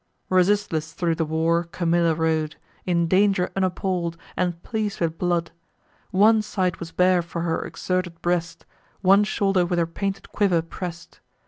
Resistless thro' the war Camilla rode, In danger unappall'd, and pleas'd with blood. One side was bare for her exerted breast; One shoulder with her painted quiver press'd.